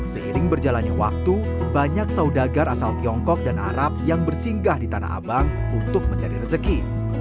seiring berjalannya waktu banyak saudagar asal tiongkok dan arab yang bersinggah di tanah abang untuk mencari rezeki